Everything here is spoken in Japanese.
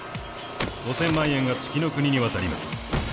５，０００万円が月ノ国に渡ります。